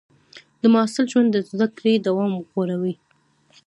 د محصل ژوند د زده کړې دوام غواړي.